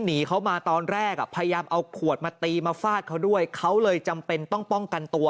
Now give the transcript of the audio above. หนีเขามาตอนแรกอ่ะพยายามเอาขวดมาตีมาฟาดเขาด้วยเขาเลยจำเป็นต้องป้องกันตัว